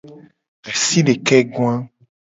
Asidekegoa.